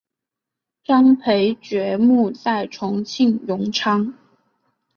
张培爵墓在重庆荣昌。